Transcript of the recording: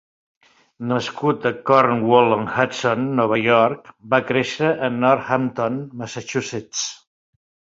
Nascut a Cornwall-on-Hudson, Nova York, va créixer a Northampton, Massachusetts.